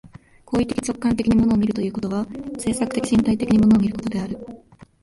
行為的直観的に物を見るということは、制作的身体的に物を見ることである。